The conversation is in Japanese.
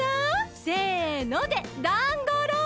「せの」で「ダンゴロウ！」